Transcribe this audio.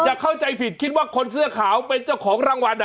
เข้าใจผิดคิดว่าคนเสื้อขาวเป็นเจ้าของรางวัล